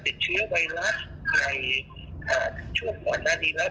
ลองลองไปก็จะเป็นประเภทที่ว่า